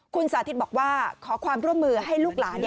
คุณสาธิตบอกว่าขอความร่วมมือให้ลูกหลาน